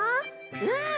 うん！